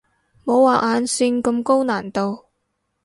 冇畫眼線咁高難度